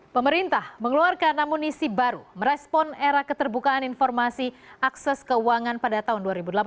pemerintah mengeluarkan amunisi baru merespon era keterbukaan informasi akses keuangan pada tahun dua ribu delapan belas